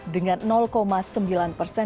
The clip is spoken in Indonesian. dengan sembilan persen